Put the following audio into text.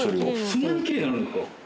そんなにきれいになるんですか。